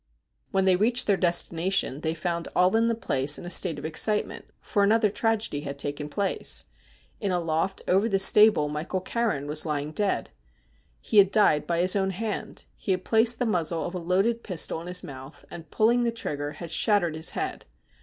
When they reached their destination they found all in the place in a state of excitement, for another tragedy had taken place. In a loft over the stable Michael Carron was lying dead. He had died by his own hand. He had placed the muzzle of a loaded pistol in his mouth, and, pulling the trigger, had shattered his head.